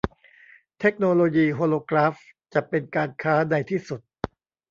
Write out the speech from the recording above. เทคโนโลยีโฮโลกราฟจะเป็นการค้าในที่สุด